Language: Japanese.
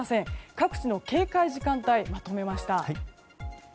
各地の警戒時間帯をまとめました。